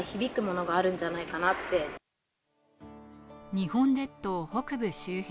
日本列島、北部周辺。